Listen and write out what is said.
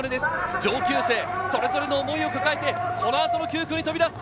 上級生それぞれの思いを抱えて、それぞれ９区に飛び出す。